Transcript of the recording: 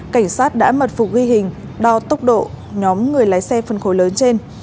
cảnh sát đã mật phục ghi hình đo tốc độ nhóm người lái xe phân khối lớn trên